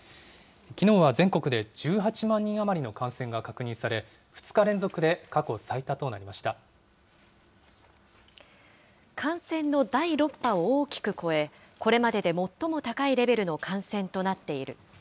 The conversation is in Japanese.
きのうは全国で１８万人余りの感染が確認され、２日連続で過感染の第６波を大きく超え、これまでで最も高いレベルの感染となっている。